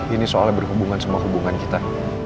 ini soalnya berhubungan sama hubungan kita